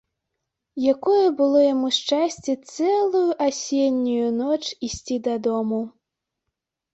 Якое было яму шчасце цэлую асеннюю ноч ісці дадому.